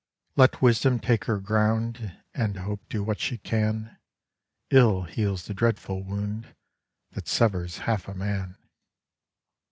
Let Wisdom take her ground And Hope do what she can; Ill heals the dreadful wound That severs half a man.